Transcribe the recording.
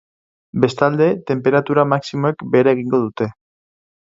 Bestalde, tenperatura maximoek behera egingo dute.